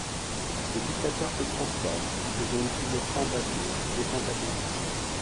Le dictateur se transforme, devient une figure fantasmée et fantasmatique.